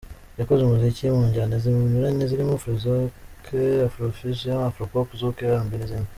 Yakoze umuziki mu njyana zinyuranye zirimo Afrozouk, Afrofusion, Afropop, Zouk, RnB n’izindi.